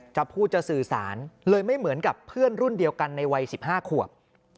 จะพูดจะสื่อสารเลยไม่เหมือนกับเพื่อนรุ่นเดียวกันในวัย๑๕ขวบ